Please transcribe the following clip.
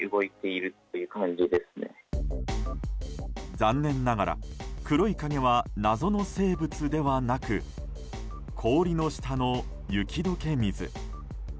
残念ながら黒い影は謎の生物ではなく氷の下の雪解け水。